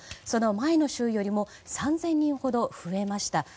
その前の週よりも３０００人ほど増えました。